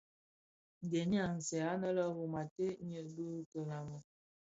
Gèni a nsèè anë le Rum ated ňyi bi kibeni.